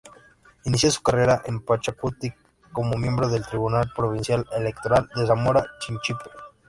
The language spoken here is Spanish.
Inició su carrera en Pachakutik como miembro del Tribunal Provincial Electoral de Zamora Chinchipe.